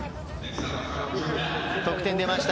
得点出ました。